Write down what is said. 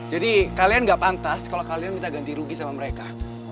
jadi kalian gak pantas kalo kalian minta ganti rugi sama mereka